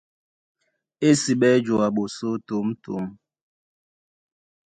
Ésiɓɛ́ joa ɓosó tǒmtǒm.